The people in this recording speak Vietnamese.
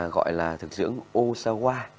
gọi là thực dưỡng osawa